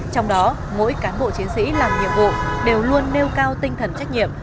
trong đó mỗi cán bộ chiến sĩ làm nhiệm vụ đều luôn nêu cao tinh thần trách nhiệm